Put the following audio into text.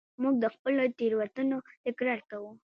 موږ د خپلو تېروتنو تکرار کوو.